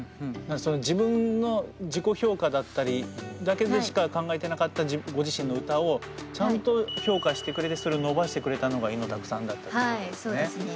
自分の自己評価だったりだけでしか考えてなかったご自身の歌をちゃんと評価してくれてそれを伸ばしてくれたのがイノタクさんだったってことですね。